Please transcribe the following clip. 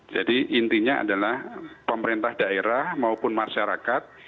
jadi intinya adalah pemerintah daerah maupun masyarakat